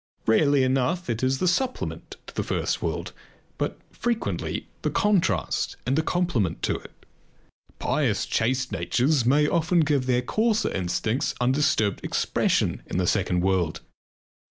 Rarely enough it is the supplement to the first world but frequently the contrast and the complement to it. Pious chaste natures may often give their coarser instincts undisturbed expression in the second world.